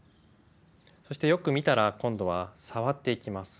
そしてよく見たら今度は触っていきます。